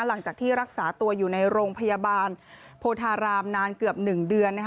หลังจากที่รักษาตัวอยู่ในโรงพยาบาลโพธารามนานเกือบ๑เดือน